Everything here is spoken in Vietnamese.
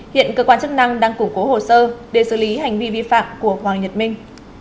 hiện cơ quan chức năng đang củng cố hồ sơ để xử lý hành vi vi phạm của hoàng nhật minh